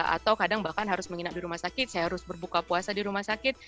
atau kadang bahkan harus menginap di rumah sakit saya harus berbuka puasa di rumah sakit